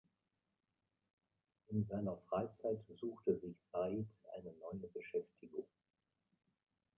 In seiner Freizeit suchte sich Said eine neue Beschäftigung.